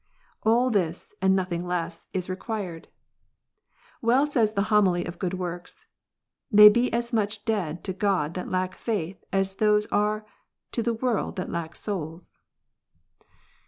All this, and nothing less, is required. Well says the Homily of Good Works :" They be as much dead to God that lack faith as those are to the world that lack souls."